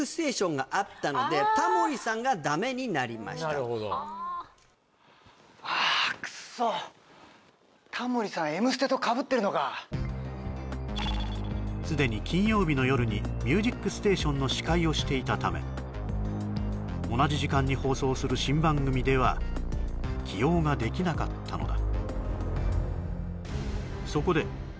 あなるほどあっクッソタモリさん「Ｍステ」とかぶってるのかすでに金曜日の夜に「ミュージックステーション」の司会をしていたため同じ時間に放送する新番組では起用ができなかったのだ